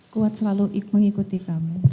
kuat selalu mengikuti kami